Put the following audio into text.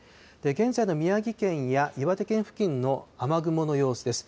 現在の宮城県や岩手県付近の雨雲の様子です。